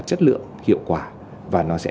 chất lượng hiệu quả và nó sẽ